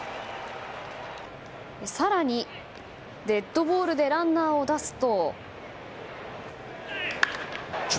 更にデッドボールでランナーを出すと。